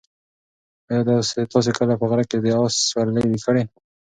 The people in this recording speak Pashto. ایا تاسي کله په غره کې د اس سورلۍ کړې؟